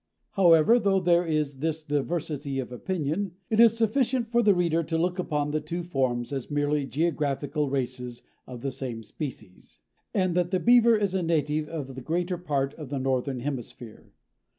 However, though there is this diversity of opinion, it is sufficient for the reader to look upon the two forms as merely geographical races of the same species, and that the Beaver is a native of the greater part of the northern hemisphere.